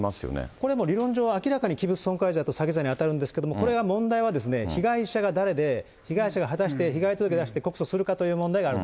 これもう理論上は明らかに器物損壊罪と詐欺罪に当たるんですけれども、これは問題は、被害者は誰で誰で、被害者が果たして被害届出して告訴するかという問題がある。